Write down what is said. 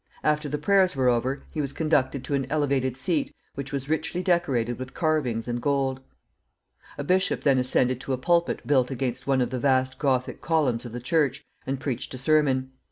After the prayers were over, he was conducted to an elevated seat, which was richly decorated with carvings and gold. A bishop then ascended to a pulpit built against one of the vast Gothic columns of the church, and preached a sermon.